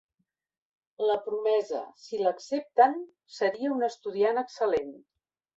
La promesa: si l'accepten, seria un estudiant excel.lent.